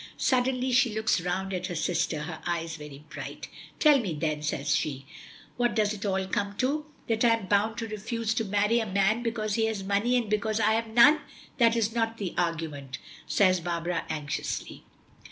Suddenly she looks round at her sister, her eyes very bright. "Tell me then," says she, "what does it all come to? That I am bound to refuse to marry a man because he has money, and because I have none." "That is not the argument," says Barbara anxiously.